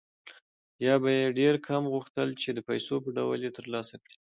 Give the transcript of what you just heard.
یا به یې ډېر کم غوښتل چې د پیسو په ډول یې ترلاسه کړي